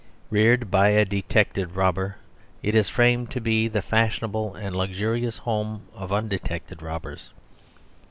Reared by a detected robber, it is framed to be the fashionable and luxurious home of undetected robbers.